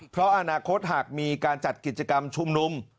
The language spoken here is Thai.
เพราะอนาคตหากมีการจัดกิจกรรมชุมนุม